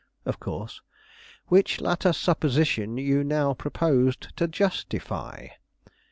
"Of course." "Which latter supposition you now propose to justify!"